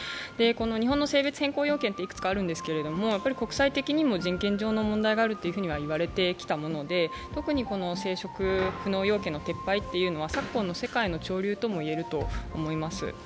日本の性別変更要件って幾つかあるんですけれども、国際的にも人権上の問題があると言われてきたもので特に生殖不能要件の撤廃というのは昨今の世界の潮流とも言えると思います。